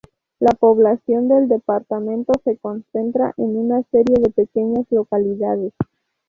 La población del departamento se concentra en una serie de pequeñas localidades.